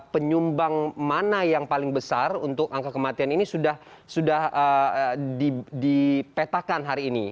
penyumbang mana yang paling besar untuk angka kematian ini sudah dipetakan hari ini